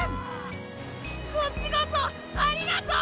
こっちこそありがとう！